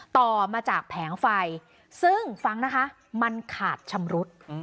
ต่อมาจากแผงไฟซึ่งฟังนะคะมันขาดชำรุด